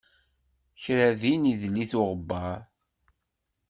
Kra din idel-it uɣebbar.